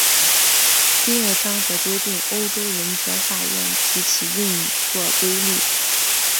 第二章则规定欧洲人权法院及其运作规则。